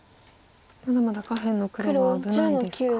まだまだ下辺の黒は危ないですか。